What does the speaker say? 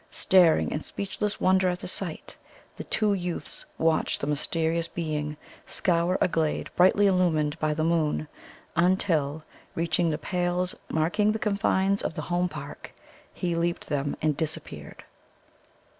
Staring in speechless wonder at the sight, the two youths watched the mysterious being scour a glade brightly illumined by the moon, until, reaching the pales marking the confines of the Home Park, he leaped them and disappeared.